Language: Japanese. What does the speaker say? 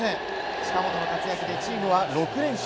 近本の活躍でチームは６連勝。